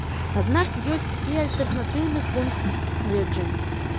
Аднак ёсць і альтэрнатыўны пункт гледжання.